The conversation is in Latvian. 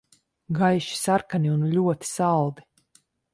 Gaiši sarkani un ļoti saldi.